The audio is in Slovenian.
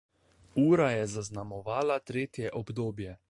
Ura je zaznamovala tretje obdobje.